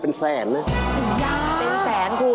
เป็นแสนคุณ